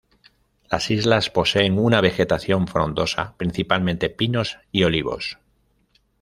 Las islas poseen una vegetación frondosa, principalmente pinos y olivos.